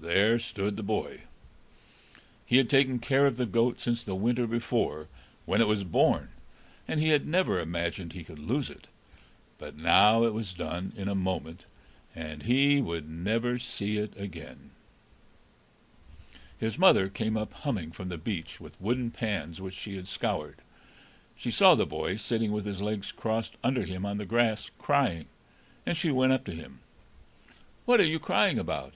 There stood the boy. He had taken care of the goat since the winter before, when it was born, and he had never imagined he could lose it; but now it was done in a moment, and he would never see it again. His mother came up humming from the beach, with wooden pans which she had scoured; she saw the boy sitting with his legs crossed under him on the grass, crying, and she went up to him. "What are you crying about?"